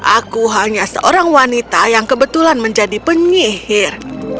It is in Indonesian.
aku hanya seorang wanita yang kebetulan menjadi penyihir